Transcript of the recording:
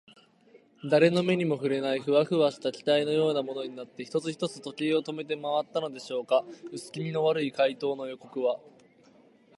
だれの目にもふれない、フワフワした気体のようなものになって、一つ一つ時計を止めてまわったのでしょうか。うすきみの悪い怪盗の予告は、